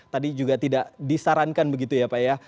tadi juga tidak disarankan begitu ya pak ya